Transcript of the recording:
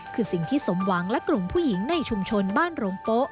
คือสิ่งที่สมหวังและกลุ่มผู้หญิงในชุมชนบ้านโรงโป๊